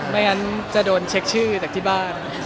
ไม่งั้นจะโดนเช็คชื่อจากที่บ้าน